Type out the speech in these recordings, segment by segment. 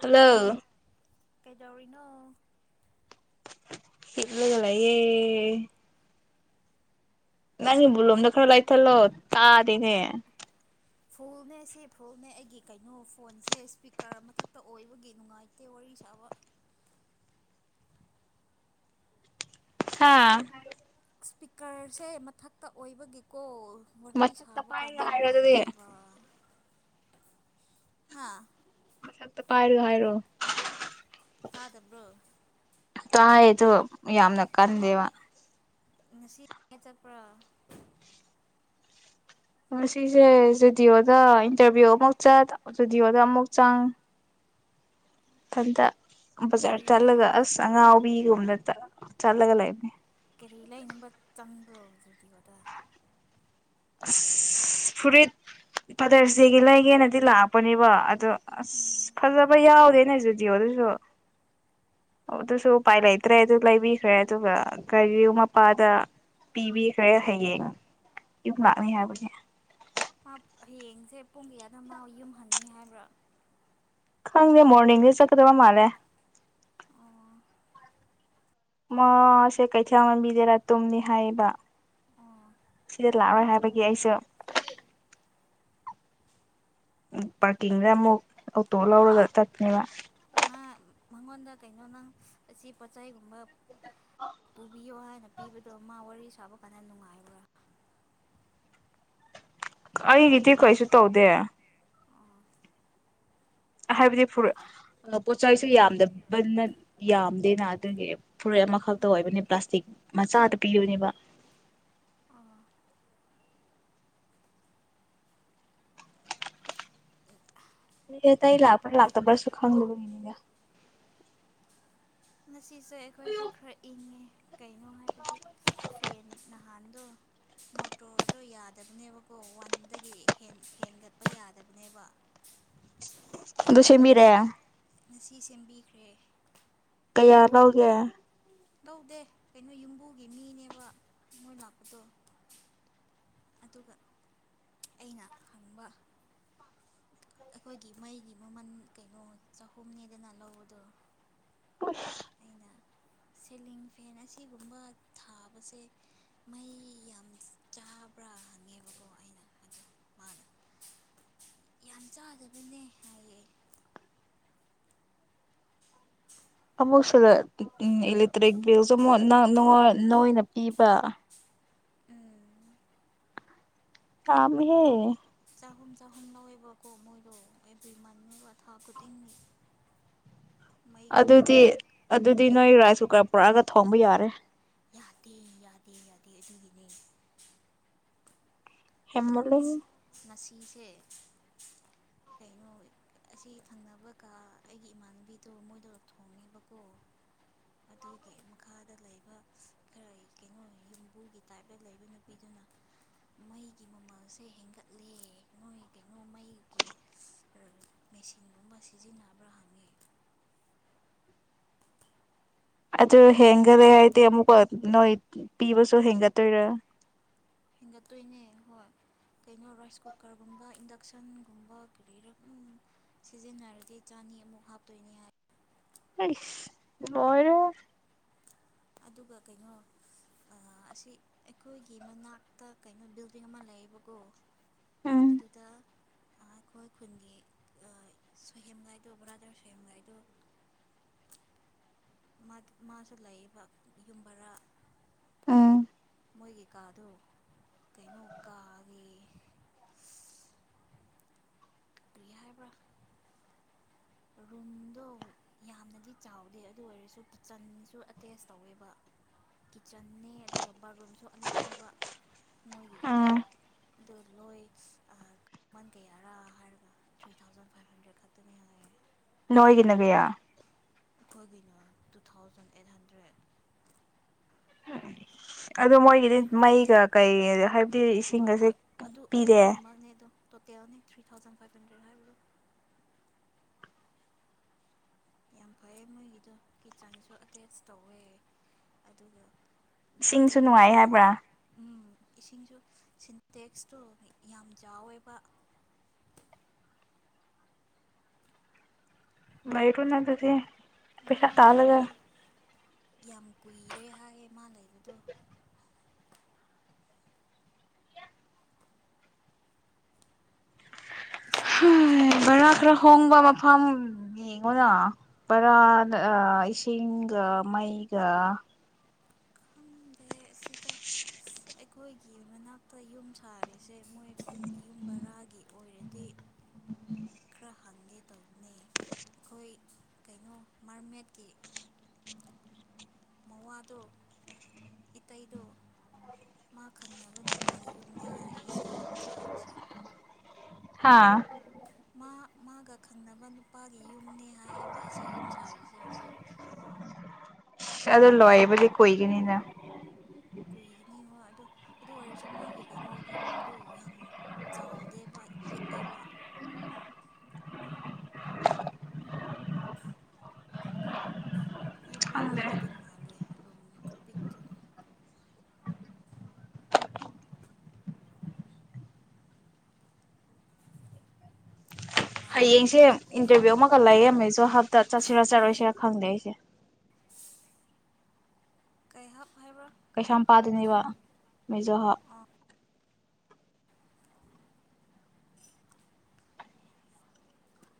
hello ꯀꯖꯧꯔꯤꯅꯣ ꯁꯤꯠꯂꯒꯂꯌꯦ ꯅꯪ ꯚꯣꯂꯨꯝꯗꯣ ꯈꯔ ꯂꯥꯛ ꯊꯂꯣ ꯇꯥꯗꯤꯅꯦ ꯐꯨꯜ ꯅꯦꯁꯤ ꯐꯨꯜ ꯑꯩꯒꯤ ꯀꯩꯅꯣ ꯐꯣꯟꯁꯦ ꯏꯁꯄꯤꯀꯔ ꯃꯊꯛꯇ ꯑꯣꯏꯕꯒꯤ ꯅꯨꯡꯉꯥꯏꯇꯦ ꯋꯥꯔꯤ ꯁꯥꯕ ꯍꯥꯥ ꯁ꯭ꯄꯤꯀꯔꯁꯦ ꯃꯊꯛꯇ ꯑꯣꯏꯕꯒꯤꯀꯣ ꯋꯥꯔꯤ ꯃꯊꯛꯇ ꯁꯥꯕ ꯀꯥꯟꯗ ꯄꯥꯏꯔꯒ ꯍꯥꯏꯔꯣ ꯑꯗꯨꯗꯤ ꯅꯨꯡꯉꯥꯏꯇꯦꯕ ꯍꯥꯥ ꯃꯠꯇ ꯄꯥꯏꯔ ꯍꯥꯏꯔꯣ ꯇꯥꯗꯕ꯭ꯔꯣ ꯇꯥꯏꯗꯨ ꯌꯥꯝꯅ ꯀꯟꯗꯦꯕ ꯉꯁꯤꯉ ꯆꯠꯄ꯭ꯔꯥ ꯉꯁꯤꯁꯦ ꯖꯨ ꯗꯤꯑꯣꯗ ꯏꯟꯇꯔꯚꯤꯌꯨ ꯑꯃꯨꯛ ꯆꯠ ꯖꯨꯗꯤꯑꯣꯗ ꯑꯃꯨꯛ ꯆꯪ ꯐꯟꯗ ꯕꯖꯥꯔ ꯀꯔꯤ ꯆꯠꯂꯒ ꯂꯩꯅꯕ ꯑꯁ ꯑꯉꯥꯎꯕꯤꯒꯨꯝꯅ ꯆ ꯆꯠꯂꯒ ꯂꯩ ꯀꯔꯤ ꯂꯩꯅꯝꯕ ꯇꯝ ꯊ꯭ꯔꯣ ꯇ꯭ꯔꯤꯇꯤꯒꯣꯗ ꯑꯁ ꯐꯨꯔꯤꯠ ꯄꯗꯔꯆꯦꯒꯤ ꯂꯩꯒꯦꯅꯗꯤ ꯂꯥꯛꯄꯅꯦꯕ ꯑꯗꯣ ꯑꯁ ꯎꯝ ꯐꯖꯕ ꯌꯥꯎꯗꯦꯅꯦ ꯑꯗꯨꯗꯤ ꯑꯗꯨꯁꯨ ꯑꯗꯨꯁꯨ ꯎꯄꯥꯏ ꯂꯩꯇ꯭ꯔꯦ ꯑꯗꯨ ꯂꯩꯕꯤꯈ꯭ꯔꯦ ꯑꯗꯨꯒ ꯀꯔꯤ ꯃꯄꯥꯗ ꯄꯤꯕꯤꯈ꯭ꯔꯦ ꯍꯌꯦꯡ ꯏ ꯂꯥꯛꯃꯦ ꯍꯥꯏꯕꯅꯦ ꯃꯥ ꯍꯌꯦꯡꯁꯦ ꯄꯨꯡ ꯀꯌꯥꯗ ꯃꯥ ꯌꯨꯝꯍꯟꯅꯤ ꯍꯥꯏꯕ꯭ꯔꯥ ꯈꯪꯗꯦ ꯃꯣꯔꯅꯤꯡꯗꯤ ꯆꯠꯀꯗꯕ ꯃꯥꯂꯦ ꯑꯣ ꯃꯥꯁꯦ ꯀꯩꯊꯦꯜ ꯂꯝꯕꯤꯗꯦꯔꯥ ꯇꯨꯝꯅꯤ ꯍꯥꯏꯌꯦꯕ ꯑꯣ ꯁꯤꯗ ꯂꯥꯛꯔꯣꯏ ꯍꯥꯏꯕꯒꯤ ꯑꯩꯁꯨ ꯄꯥꯔꯀꯤꯡꯗ ꯑꯃꯨꯛ ꯑꯣꯇꯣ ꯂꯧꯔꯒ ꯆꯠꯅꯦꯕ ꯃꯥ ꯃꯉꯣꯟꯗ ꯀꯩꯅꯣ ꯅꯪ ꯑꯁꯤ ꯄꯣꯠꯆꯩꯒꯨꯝꯕ ꯄꯨꯕꯤꯌꯨ ꯍꯥꯏ ꯄꯤꯕꯗꯣ ꯃꯥ ꯋꯥꯔꯤ ꯁꯥꯕ ꯀꯥꯟꯗ ꯅꯨꯡꯉꯥꯏꯕ꯭ꯔꯥ ꯑꯩꯒꯤꯗꯤ ꯀꯩꯁꯨ ꯇꯧꯗꯦ ꯍꯥꯏꯕꯗꯤ ꯐ ꯄꯣꯠꯆ ꯆꯩꯁꯨ ꯌꯥꯝꯗꯕꯅ ꯌꯥꯝꯗꯦꯅ ꯑꯗꯨꯒꯤ ꯐꯨꯨꯔꯤꯠ ꯑꯃꯈꯛꯇ ꯑꯣꯏꯕꯅꯦ ꯄ꯭ꯂꯥꯁꯇꯤꯛ ꯃꯆꯥꯗ ꯄꯤꯌꯨꯅꯦꯕ ꯑꯥ ꯃꯤ ꯑꯇꯩ ꯂꯥꯛꯄ ꯂꯥꯛꯇꯥ ꯭ꯕꯔꯁꯨ ꯈꯅ ꯂꯕꯅꯤꯗ ꯁꯤꯁꯦ ꯑꯩꯈꯣꯏꯁꯦ ꯈꯔ ꯏꯪꯉꯦ ꯀꯩꯅꯣ ꯍꯥꯏꯕꯗꯤ ꯐꯦꯟ ꯅꯍꯥꯟꯗꯣ ꯃꯣꯇꯣꯔꯗꯣ ꯌꯥꯗꯕꯅꯦꯕꯀꯣ ꯋꯥꯟꯗꯒꯤ ꯍꯦꯟꯒꯠꯄ ꯌꯥꯗꯕꯅꯦꯕ ꯑꯗꯨ ꯑꯗꯣ ꯁꯦꯝꯕꯤꯔꯦ ꯉꯁꯤ ꯉꯁꯤ ꯁꯦꯝꯕꯤꯈ꯭ꯔꯦ ꯀꯌꯥ ꯑꯗꯒꯤ ꯂꯧꯒꯦ ꯂꯧꯗꯦ ꯀꯩꯅꯣ ꯌꯨꯝꯕꯨꯒꯤ ꯃꯤꯅꯦꯕ ꯃꯣꯏ ꯂꯥꯛꯄꯗꯣ ꯑꯗꯨꯒ ꯑꯩꯅ ꯍꯪꯕ ꯑꯩꯈꯣꯏꯒꯤ ꯃꯩꯒꯤ ꯃꯃꯜ ꯀꯩꯅꯣ ꯆꯥꯍꯨꯝꯅꯦꯗꯅ ꯂꯧꯕꯗꯣ ꯑꯩꯅ ꯁꯦꯂꯤꯡ ꯐꯦꯟ ꯑꯁꯤꯒꯨꯝꯕ ꯊꯥꯕꯁꯦ ꯃꯩ ꯌꯥꯝ ꯆꯥꯕ꯭ꯔꯥ ꯈꯪꯉꯦꯕꯀꯣ ꯑꯩꯅ ꯑꯗꯣ ꯃꯥꯅ ꯌꯥꯝ ꯆꯥꯗꯕꯅꯦ ꯍꯥꯏꯌꯦ ꯑꯃꯨꯛꯁꯤꯗ ꯎ ꯏꯂꯦꯛꯇ꯭ꯔꯤꯛ ꯕꯤꯜꯁꯨ ꯑꯃꯨꯛ ꯅꯅ ꯄꯤꯕ ꯎꯝ ꯀꯃꯤ ꯍꯦ ꯆꯍꯨꯝ ꯆꯍꯨꯝ ꯂꯧꯋꯦꯕꯀꯣ ꯃꯣꯏꯗꯣ ꯑꯦꯕ꯭ꯔꯤ ꯃꯟꯉꯕ ꯊꯥ ꯈꯨꯗꯤꯡꯒꯤ ꯃꯩꯒꯤ ꯑꯗꯨꯗꯤ ꯃꯃꯥꯡꯗ ꯑꯗꯨꯗꯤ ꯅꯣꯏ ꯔꯥꯏꯁ ꯀꯨꯀꯔ ꯄꯨꯔꯥꯒ ꯊꯣꯡꯕ ꯌꯥꯔꯦ ꯌꯥꯗꯦ ꯌꯥꯗꯦ ꯌꯥꯗꯦ ꯑꯗꯨꯒꯤꯅꯦ ꯍꯦꯃꯂ ꯆꯤꯁꯦ ꯀꯩꯅꯣ ꯑꯁꯤ ꯊꯪꯅꯕꯒ ꯑꯩꯒꯤ ꯏꯃꯥꯟꯅꯕꯤꯗꯣ ꯃꯣꯏꯗ ꯊꯣꯡꯉꯦꯕꯀꯣ ꯑꯗꯨꯒꯤ ꯃꯈꯥꯗ ꯂꯩꯕ ꯈꯔ ꯀꯩꯅꯣ ꯌꯨꯝꯕꯨꯒꯤ ꯇꯥꯏꯞꯇ ꯂꯩꯕ ꯅꯨꯄꯤꯗꯨꯅ ꯃꯩ ꯃꯃꯜꯁꯦ ꯍꯦꯟꯒꯠꯂꯦ ꯅꯣꯏ ꯀꯩꯅꯣ ꯃꯩꯒꯤ ꯃꯦꯆꯤꯟꯒꯨꯝꯕ ꯁꯤꯖꯤꯟꯅꯕ꯭ꯔꯥ ꯍꯪꯉꯤ ꯑꯗꯨ ꯍꯦꯟꯒꯠꯂꯦ ꯍꯥꯏꯗꯤ ꯑꯃꯨꯛꯀ ꯅꯣꯏ ꯄꯤꯕꯁꯨ ꯍꯦꯟꯒꯠꯇꯣꯏꯔꯥ ꯍꯦꯟꯒꯠꯇꯣꯏꯅꯦ ꯍꯣꯏ ꯀꯩꯅꯣ ꯔꯥꯏꯁ ꯀꯨꯀꯔꯒꯨꯝꯕ ꯏꯟꯗꯛꯁꯟꯒꯨꯝꯕ ꯀꯔꯤꯔ ꯁꯤꯖꯤꯟꯅꯔꯗꯤ ꯆꯥꯅꯤ ꯑꯃꯨꯛ ꯍꯥꯞꯇꯣꯏꯅꯦ ꯍꯥꯏ ꯃꯔ ꯑꯗꯨꯒ ꯀꯩꯅꯣ ꯑꯁꯤ ꯑꯩꯈꯣꯏꯒꯤ ꯃꯅꯥꯛꯇ ꯀꯩꯅꯣ ꯕꯤꯜꯗꯤꯡ ꯑꯃ ꯂꯩꯌꯦꯕꯀꯣ ꯎꯝ ꯑꯗꯨꯗ ꯑꯩꯈꯣꯏ ꯈꯨꯟꯒꯤ ꯁꯣꯏꯍꯦꯝꯒꯥꯏꯗꯣ ꯕ꯭ꯔꯥꯗꯔ ꯁꯣꯏꯍꯦꯝꯒꯥꯏꯗꯣ ꯃꯥꯁꯨ ꯂꯩꯕ ꯌꯨꯝꯕꯔꯥ ꯑꯥ ꯃꯣꯏꯒꯤ ꯀꯥꯗꯣ ꯀꯩꯅꯣ ꯀꯥꯒꯤ ꯄꯌꯥ ꯍꯥꯏꯕ꯭ꯔꯥ ꯔꯨꯝꯗꯣ ꯌꯥꯝꯅꯗꯤ ꯆꯥꯎꯗꯦ ꯑꯗꯨ ꯑꯣꯏꯔꯁꯨ ꯀꯤꯠꯆꯟꯁꯨ ꯑꯦꯇꯦꯁ ꯇꯧꯋꯦꯕ ꯀꯤꯠꯆꯟꯅꯦ ꯑꯗꯨꯒ ꯕꯥꯠꯔꯨꯝꯁꯨ ꯑꯜꯂꯛꯄꯤꯕ ꯑꯥ ꯑꯗꯨ ꯂꯣꯏ ꯀꯃꯟ ꯀꯌꯥꯔꯥ ꯍꯥꯏꯔꯒ ꯊ꯭ꯔꯤ ꯊꯥꯎꯖꯟ ꯐꯥꯏꯚ ꯍꯟꯗ꯭ꯔꯦꯗ ꯈꯛꯇꯅꯤ ꯍꯥꯏꯔꯦ ꯅꯣꯣꯏ ꯀꯅ ꯀꯌꯥ ꯑꯩꯈꯣꯏꯒꯤꯅꯣ ꯇꯨ ꯊꯥꯎꯖꯟ ꯑꯦꯠ ꯍꯟꯗ꯭ꯔꯦꯠ ꯎ ꯑꯗꯨ ꯃꯣꯏꯒꯤꯗꯤ ꯃꯩꯒ ꯀꯩ ꯍꯥꯏꯕꯗꯤ ꯍꯣꯏ ꯏꯁꯤꯡꯒꯁꯦ ꯄꯤꯔꯦ ꯇꯣꯇꯦꯜꯅꯦ ꯊ꯭ꯔꯤ ꯊꯥꯎꯖꯟ ꯐꯥꯏꯚ ꯍꯟꯗ꯭ꯔꯦꯗ ꯍꯥꯏꯕꯗꯣ ꯌꯥꯝ ꯐꯩꯌꯦ ꯃꯣꯏꯒꯤꯗꯣ ꯀꯤꯠꯆꯟꯁꯨ ꯑꯦꯇꯦꯆ ꯇꯧꯋꯦ ꯑꯗꯨꯒ ꯏꯁꯤꯡꯁꯨ ꯅꯨꯡꯉꯥꯏ ꯨꯡꯒꯥꯥ ꯍꯥꯏꯕ꯭ꯔꯥ ꯎꯝ ꯏꯁꯤꯡꯁꯨ ꯁꯤꯟꯇꯦꯛꯁꯇꯣ ꯌꯥꯝ ꯆꯥꯎꯋꯦꯕ ꯩꯔꯣꯅ ꯇꯗꯤ ꯃꯥ ꯂꯩꯕꯗꯣ ꯌꯥꯝ ꯀꯨꯏꯔꯦ ꯍꯥꯏꯌꯦ ꯃꯥ ꯂꯩꯕ ꯑꯗꯨꯗꯣ ꯏꯁꯤꯡꯁꯨ ꯆꯪꯉꯔꯣꯏ ꯕꯔꯥ ꯈꯔ ꯃꯣꯏꯒꯤꯗꯣ ꯍꯣꯡꯕ ꯃꯐꯝ ꯃꯣꯏꯅ ꯄꯔꯥ ꯏꯁꯤꯡꯒ ꯃꯩꯒ ꯑꯩ ꯑꯁꯤꯗ ꯑꯩꯈꯣꯏꯒꯤ ꯃꯅꯥꯛꯇ ꯌꯨꯝ ꯁꯥꯔꯤ ꯁꯦ ꯃꯣꯏ ꯌꯨꯝ ꯕꯔꯥꯒꯤ ꯑꯣꯏꯔꯦ ꯑꯃꯗꯤ ꯭ꯔ ꯁꯒ ꯇꯧꯅꯩ ꯑꯩꯈꯣꯏ ꯀꯩꯅꯣ ꯃꯥꯔꯃꯦꯠꯀꯤ ꯃꯋꯥꯗꯣ ꯏꯇꯩꯗꯣ ꯃꯥ ꯈꯪꯅꯕ ꯅꯨꯄꯥꯒꯤ ꯌꯨꯝꯅꯦ ꯍꯥꯏꯌꯦ ꯁꯤ ꯌꯨꯝ ꯁꯥꯔꯤꯁꯦ ꯍꯥꯥ ꯃꯥ ꯃꯥꯒ ꯈꯪꯅꯕ ꯅꯨꯄꯥꯒꯤ ꯌꯨꯝꯅꯤ ꯍꯥꯏꯌꯦꯕ ꯑꯁꯤ ꯌꯨꯝ ꯁꯥꯔꯤꯁꯦ ꯍꯧꯖꯤꯛ ꯑꯗꯨꯗꯣ ꯂꯣꯏꯕ ꯀꯣꯏ ꯀꯅꯤꯗ ꯀꯨꯏꯒꯅꯤ ꯍꯣꯏ ꯑꯗꯨꯗ ꯑꯗꯨ ꯑꯣꯏꯔꯁꯨ ꯃꯣꯏꯒꯤ ꯀꯩꯅꯣ ꯔꯨꯝꯗꯣ ꯌꯥꯝ ꯆꯥꯎꯗꯦꯕ ꯄꯤꯛꯑꯦꯕ ꯈꯪꯗ꯭ꯔꯦ ꯌꯨꯝꯕꯔꯥꯗꯒꯤ ꯃꯥꯜꯂꯦ ꯨꯝꯃꯦ ꯀꯧꯕ ꯄꯤꯨ ꯅꯍꯥꯟ ꯍꯌꯦꯡꯁꯦ ꯏꯟꯇꯔꯚꯤꯌꯨ ꯑꯃꯈꯛ ꯂꯑꯦꯝꯃꯦꯁꯨ ꯑꯣ ꯍꯞꯇꯥ ꯆꯠꯁꯤꯔꯥ ꯆꯠꯂꯣꯏꯁꯤꯔꯥ ꯈꯪꯗꯦ ꯑꯩꯁꯦ ꯀꯩꯍꯧ ꯀꯩꯁꯥꯝꯄꯥꯥꯗꯅꯤꯕ ꯃꯦꯖꯣꯍ ꯑ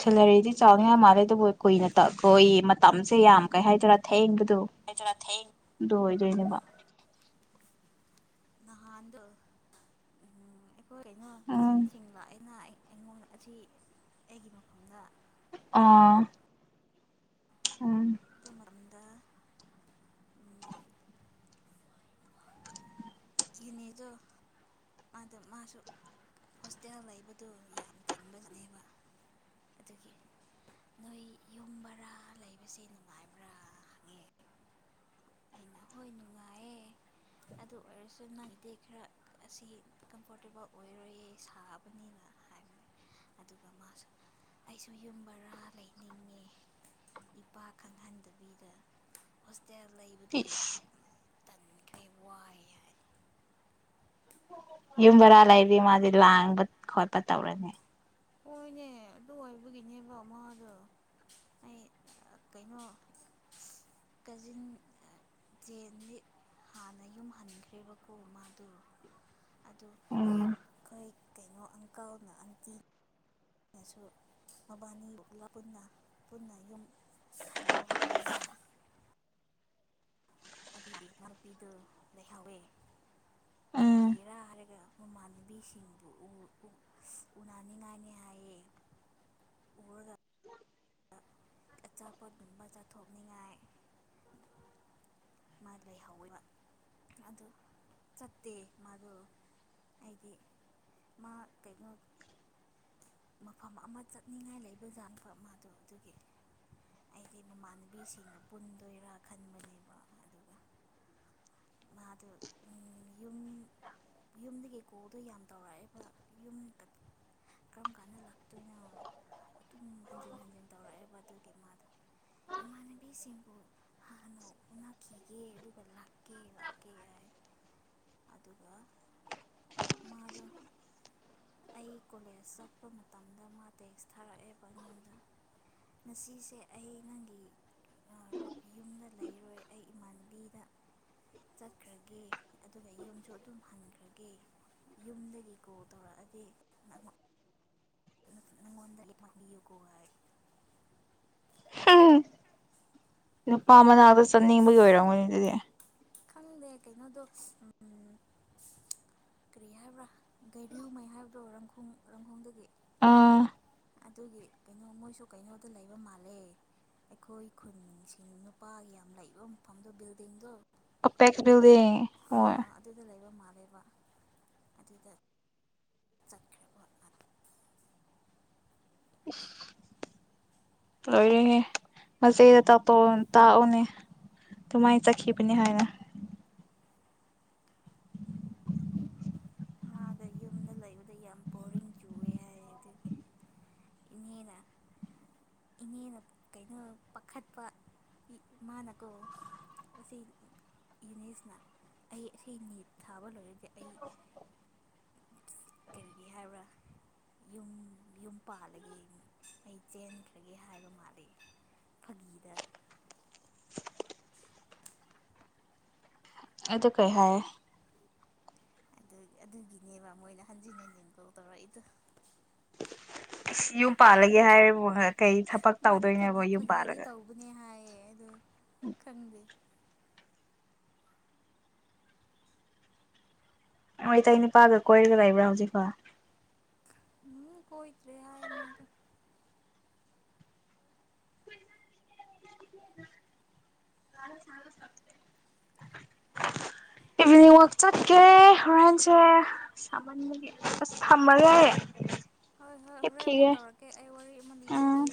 ꯁꯦꯂꯔꯤꯗꯤ ꯆꯥꯎꯅ ꯌꯥꯝ ꯃꯥꯜꯂꯦ ꯑꯗꯨꯕꯨ ꯀꯨꯏꯅ ꯇꯛꯈꯣꯏ ꯃꯇꯝꯁꯦ ꯌꯥꯝ ꯀꯩ ꯍꯥꯏꯗꯣꯏꯔꯥ ꯊꯡ ꯂ ꯑꯣꯏꯗꯣꯏꯅꯦꯕ ꯅꯍꯥꯟꯗ ꯎꯝ ꯑꯩꯈꯣꯏ ꯑꯩꯅ ꯎꯝ ꯀꯛꯆꯤꯟ ꯆꯤꯡꯕ ꯑꯩꯅ ꯑꯩ ꯑꯩꯉꯣꯟꯗ ꯑꯁꯤ ꯑꯩꯒꯤ ꯃꯐꯝꯗ ꯑꯥ ꯎꯝ ꯑꯗꯨ ꯃꯇꯝꯗ ꯌꯅꯦꯗꯣ ꯃꯥꯗꯣ ꯃꯥꯁꯨ ꯍꯣꯁꯇꯦꯜ ꯂꯩꯕꯗꯣ ꯌꯥꯝ ꯇꯟꯕꯅꯦꯕ ꯑꯗꯨꯒꯤ ꯅꯣꯏ ꯌꯨꯝꯕꯔꯥ ꯂꯩꯕꯁꯦ ꯅꯨꯡꯉꯥꯏꯕ꯭ꯔꯥꯪꯉ ꯑꯩꯅ ꯍꯣꯏ ꯅꯨꯡꯉꯥꯏꯌꯦꯦ ꯑꯗꯨ ꯑꯣꯏꯔꯁꯨ ꯅꯪꯗꯤ ꯈꯔ ꯑꯁꯤ ꯀꯝꯐꯣꯔꯇꯦꯕꯜ ꯑꯣꯏꯔꯣꯏꯌꯦ ꯁꯥꯕꯅꯤꯅ ꯍꯥꯏꯕꯅꯦ ꯑꯗꯨꯒ ꯃꯥꯁꯨ ꯑꯩꯁꯨ ꯌꯨꯝ ꯕꯔꯥ ꯂꯩꯅꯤꯡꯉꯦ ꯏꯄꯥ ꯈꯪꯍꯟꯗꯕꯤꯗ ꯍꯣꯁꯇꯦꯜ ꯇꯤꯁ [unintelligible] ꯇꯟꯈꯩ ꯋꯥꯏ ꯍꯥꯏ ꯌꯨꯝ ꯕꯔꯥ ꯂꯩꯗꯤ ꯃꯥꯁꯦ ꯂꯥꯡꯕ ꯈꯣꯠꯄ ꯇꯧꯔꯅꯤ ꯍꯣꯏꯅꯦ ꯑꯗꯨ ꯑꯣꯏꯕꯒꯤꯅꯦꯕ ꯃꯥꯗꯣ ꯑꯩ ꯀꯩꯅꯣ ꯀꯖꯤꯟ ꯖꯦꯟ ꯍꯥꯟꯅ ꯌꯨꯝ ꯍꯟꯈ꯭ꯔꯦꯕꯀꯣ ꯃꯥꯗꯣ ꯎꯝ ꯀ ꯀꯩꯅꯣ ꯑꯪꯀꯜꯅ ꯑꯪꯇꯤ ꯑꯩꯅꯁꯨ ꯃꯕꯥꯅꯤ ꯌꯣꯛꯂ ꯄꯨꯟꯅ ꯄꯨꯟꯅ ꯌꯨꯝ ꯍꯜꯂꯣ ꯍꯥꯏꯕꯅꯦꯕ ꯑꯗꯨꯅꯥꯎꯄꯤꯗꯨ ꯂꯩꯍꯧꯋꯦ ꯎꯝ ꯀꯔꯤꯒꯔꯔꯒ ꯃꯃꯥꯟꯅꯕꯤꯁꯤꯡꯕꯨ ꯎꯅꯅꯤꯡꯉꯥꯏꯅꯤ ꯍꯥꯏꯌꯦ ꯎꯔꯒ ꯆꯠꯅꯤꯡꯉꯥꯏ ꯃꯥ ꯂꯩꯍꯧꯋꯦꯕ ꯑꯗꯨ ꯆꯠꯇꯦ ꯃꯥꯗꯣ ꯑꯩꯗꯤ ꯃꯥ ꯀꯩꯅꯣ ꯃꯐꯝ ꯑꯃ ꯆꯠꯅꯤꯡꯉꯥꯏ ꯂꯩꯕꯖꯥ ꯃꯥꯗꯣ ꯑꯗꯨꯒꯤ ꯑꯩꯒꯤ ꯃꯃꯥꯟꯅꯕꯤꯁꯤꯡꯅ ꯄꯨꯟꯗꯣꯏꯔꯥ ꯈꯟꯕꯅꯦꯕ ꯑꯗꯨꯒ ꯃꯥꯗꯣ ꯌꯨꯝ ꯌꯨꯝꯗꯒꯤ ꯀꯣꯗꯣ ꯌꯥꯝ ꯇꯧꯔꯛꯑꯦꯕ ꯌꯨꯝ ꯀꯔꯝ ꯀꯥꯟꯗ ꯂꯥꯛꯇꯣꯏꯅꯣ ꯑꯗꯨꯝ ꯍꯟꯖꯤꯟ ꯍꯟꯖꯤꯟ ꯇꯧꯔꯛꯑꯦꯕ ꯑꯗꯨꯒꯤ ꯃꯥꯗꯣ ꯏꯃꯥꯟꯅꯕꯤꯁꯤꯡꯕꯨ ꯍꯥꯟꯅ ꯎꯅꯈꯤꯒꯦ ꯑꯗꯨꯒ ꯀꯦ ꯂꯥꯛꯀꯦ ꯍꯥꯏ ꯑꯗꯨꯒ ꯃꯥꯗꯣ ꯑꯩ ꯀꯣꯂꯦꯖ ꯆꯠꯄ ꯃꯇꯝꯗ ꯃꯥ ꯇꯦꯛꯁ ꯊꯥꯔꯛꯑꯦꯕ ꯑꯩꯉꯣꯟꯗ ꯉꯁꯤꯁꯦ ꯑꯩ ꯅꯪꯒꯤ ꯌꯨꯝꯗ ꯂꯩꯔꯣꯏ ꯑꯩ ꯏꯃꯥꯟꯕꯤꯗ ꯆꯠꯈ꯭ꯔꯒꯦ ꯑꯗꯨꯅ ꯌꯨꯝꯁꯨ ꯑꯗꯨꯝ ꯍꯟꯈ꯭ꯔꯒꯦ ꯌꯨꯝꯗꯒꯤ ꯀꯣ ꯇꯧꯔꯛꯑꯗꯤ ꯅꯪ ꯋꯥꯗ ꯂꯩꯄ ꯍꯒꯋꯥꯏ ꯅꯨꯄꯥ ꯃꯅꯥꯛꯇ ꯆꯠꯅꯤꯡꯕꯒꯤ ꯑꯣꯏꯔꯝꯒꯅꯤ ꯑꯗꯨꯗꯤ ꯈꯪꯗꯦ ꯀꯩꯅꯣꯗꯣ ꯀꯔꯤ ꯍꯥꯏꯕ꯭ꯔꯥ ꯒꯥꯏꯔꯨꯉꯩ ꯍꯥꯏꯕ꯭ꯔꯣ ꯔꯪꯈꯣꯡ ꯔꯪꯈꯣꯡꯗꯒꯤ ꯑꯥ ꯑꯗꯨꯒꯤ ꯀꯩꯅꯣ ꯃꯣꯏꯁꯨ ꯀꯩꯅꯣꯗ ꯂꯩꯕ ꯃꯥꯜꯂꯦ ꯑꯩꯈꯣꯏ ꯈꯨꯟꯁꯤꯡ ꯅꯨꯄꯥꯒꯤ ꯌꯥꯝ ꯂꯩꯕ ꯃꯐꯝꯗꯣ ꯕꯤꯜꯗꯤꯡꯗꯣ ꯑꯄꯦꯁꯕꯤꯜꯗ ꯑ ꯑꯗꯨꯗ ꯂꯩꯕ ꯃꯥ ꯕ ꯑꯗꯨꯗ ꯆꯈ ꯃꯔꯅ ꯂꯣꯏꯔꯦꯍꯦ ꯃꯆꯦꯗ ꯇꯥꯛꯑꯣ ꯇꯥꯛꯎꯅꯦ ꯑꯗꯨꯃꯥꯏꯅ ꯆꯠꯈꯤꯕꯅꯤ ꯍꯥꯏꯅ ꯃꯥꯥꯗ ꯌꯨꯝꯗ ꯂꯩꯕꯗ ꯌꯥꯝ ꯕꯣꯔꯤꯡ ꯆꯨꯋꯦ ꯍꯥꯏ ꯑꯗꯨꯗꯤ ꯏꯅꯦꯅ ꯏꯅꯦꯅ ꯀꯩꯅꯣ ꯄꯥꯈꯠꯄ ꯃꯥꯅꯀꯣ ꯑꯁꯤ ꯌꯨꯅꯤꯁꯅ ꯑꯩ ꯑ ꯅꯤꯠ ꯊꯥꯕ ꯂꯣꯏꯔꯗꯤ ꯀꯔꯤꯒꯦ ꯍꯥꯏꯕ꯭ꯔꯥ ꯌꯨꯝ ꯌꯨꯝ ꯄꯥꯜꯂꯒꯦ ꯃꯩ ꯆꯦꯟꯈ꯭ꯔꯒꯦ ꯍꯥꯏꯕ ꯃꯥꯜꯂꯤꯦ ꯐꯥꯒꯤꯗ ꯑꯗꯨ ꯀꯩ ꯍꯥꯏꯥꯏ ꯑꯗꯨ ꯑꯗꯨꯒꯤꯅꯦꯕ ꯃꯣꯏꯅ ꯍꯟꯖꯤꯟ ꯍꯟꯖꯤꯟ ꯇꯧ ꯇꯧꯔꯛꯏꯗ ꯑ ꯌꯨꯝ ꯄꯥꯜꯂꯒꯦ ꯍꯥꯏꯔꯤꯕ ꯀꯩ ꯊꯕꯛ ꯃꯥꯗꯣ ꯇꯧꯗꯣꯏꯅꯦꯕꯣ ꯐꯥꯒꯤ ꯌꯨꯝ ꯐꯥꯒꯤꯗꯤ ꯄꯥꯜꯂꯒ ꯇꯧꯕꯅꯦ ꯍꯥꯏꯌꯦ ꯑꯗꯣ ꯈꯪꯗꯦ ꯑꯣ ꯏꯇꯩ ꯅꯨꯅꯤꯄꯥꯒ ꯀꯣꯏꯔꯒ ꯂꯩꯕ꯭ꯔꯥ ꯍꯧꯖꯤꯛꯐꯥꯎ ꯎꯝ ꯀꯣꯏꯇ꯭ꯔꯦ ꯍꯥꯏꯌꯦꯃꯗ ꯏꯚꯤꯅꯤꯡ ꯋꯥꯛ ꯆꯠꯀꯦ ꯍꯣꯔꯦꯟꯦꯟꯁꯦ ꯑꯁ ꯊꯝꯃꯒꯦ ꯍꯣꯏ ꯍꯣꯏ ꯍꯣꯔꯦꯟ ꯑꯃꯨꯛ ꯍꯤꯞꯈꯤꯒꯦ ꯇꯧꯔꯛꯀꯦ ꯑꯩ ꯋꯥꯔꯤ ꯑꯃ ꯎꯝ ꯂꯤꯕꯤꯒꯦ